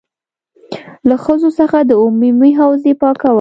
له ښځو څخه د عمومي حوزې پاکول.